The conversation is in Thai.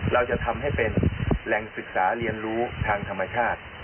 เราจะทำให้เป็นแหล่งศึกษาเรียนรู้ทางธรรมชาติ